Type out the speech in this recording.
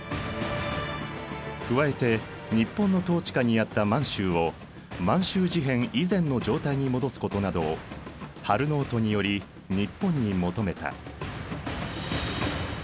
加えて日本の統治下にあった満州を満州事変以前の状態に戻すことなどを「ハル・ノート」により日本に求めた。